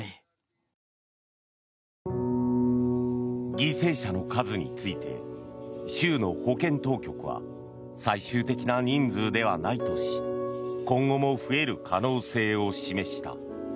犠牲者の数について州の保健当局は最終的な人数ではないとし今後も増える可能性を示した。